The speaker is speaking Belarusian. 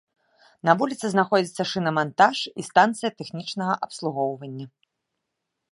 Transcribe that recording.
На вуліцы знаходзяцца шынамантаж і станцыя тэхнічнага абслугоўвання.